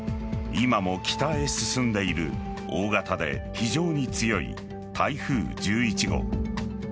今も北へ進んでいる大型で非常に強い台風１１号。